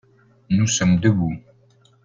nous sommes debout.